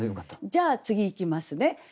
じゃあ次いきますね。